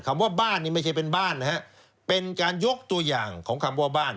ว่าบ้านนี่ไม่ใช่เป็นบ้านนะฮะเป็นการยกตัวอย่างของคำว่าบ้าน